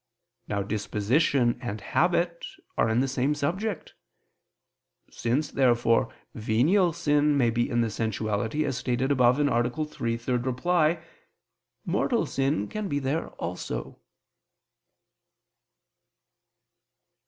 Now disposition and habit are in the same subject. Since therefore venial sin may be in the sensuality, as stated above (A. 3, ad 3), mortal sin can be there also.